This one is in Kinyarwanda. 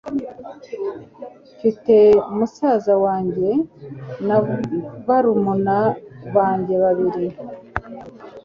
Mfite musaza wanjye na barumuna banjye babiri.